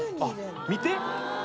見て。